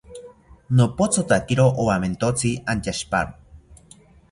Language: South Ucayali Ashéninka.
Nopothotakiro owamentotzi antyashipawo